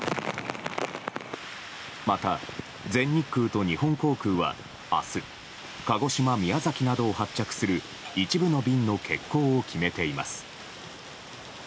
また、全日空と日本航空は明日鹿児島、宮崎などを発着する一部の便の欠航を決めています。